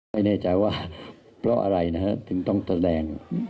ไม่แน่ใจว่าเพราะอะไรนะฮะถึงต้องแสดง